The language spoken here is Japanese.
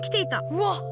うわっ